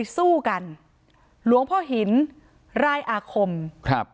สู้กันหลวงพ่อหินรายอาคมครับ